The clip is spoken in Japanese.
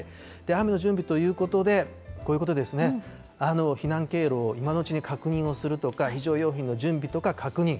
雨の準備ということで、避難経路を今のうちに確認をするとか、非常用品の準備とか確認。